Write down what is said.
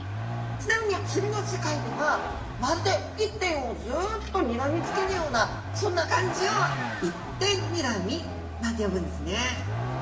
ちなみに釣りの世界ではまるで一点をずっとにらみつけるようなそんな感じを「一点にらみ」なんて呼ぶんですね。